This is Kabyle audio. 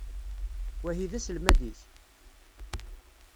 Wahi d aselmad-ik?